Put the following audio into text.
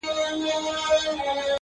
نیکه جانه د جانان غمو خراب کړم.!